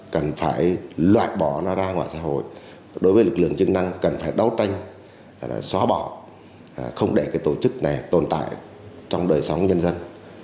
cần phải loại bỏ nó ra ngoài xã hội đối với lực lượng chức năng cần phải đấu tranh xóa bỏ không để cái tổ chức này tồn tại trong đời sống nhân dân